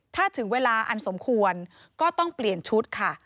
ถ้าถึงเวลาอันสมควรก็ต้องเปลี่ยนชุดค่ะ